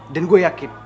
dan gue yakin